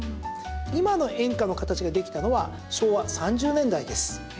今の演歌の形ができたのは昭和３０年代です。